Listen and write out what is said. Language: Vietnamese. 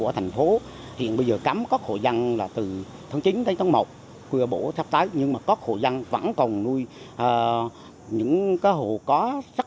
tháng chín đến tháng một cuối bộ sắp tái nhưng mà các hộ dân vẫn còn nuôi những hộ có rất